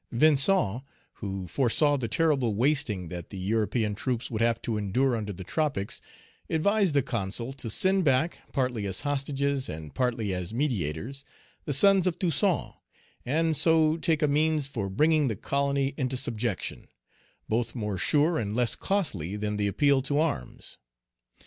Vincent, who foresaw the terrible wasting that the European troops would have to endure under the tropics, advised the Consul to send back, partly as hostages, and partly as mediators, the sons of Toussaint, and so take a means for bringing the colony into subjection, both more sure and less costly than the appeal to arms.